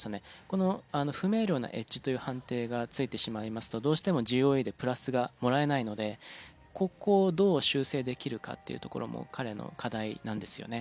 この不明瞭なエッジという判定が付いてしまいますとどうしてもＧＯＥでプラスがもらえないのでここをどう修正できるかっていうところも彼の課題なんですよね。